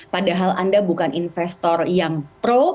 padahal anda bukan investor yang pro